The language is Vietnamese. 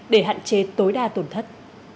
để hạn chế tối đa tổn thất